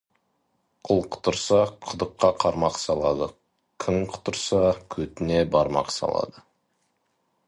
Құл құтырса, құдыққа қармақ салады, күң құтырса, көтіне бармақ салады.